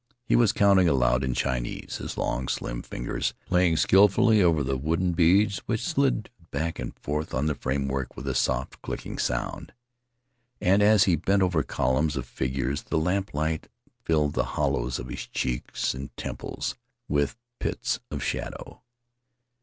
He was counting aloud in Chinese, his long, slim fingers playing skilfully over the wooden beads which slid back and forth on the framework with a soft, clicking sound, and as he bent over columns of figures the lamp light filled the hollows of his cheeks and temples with pits of shadow.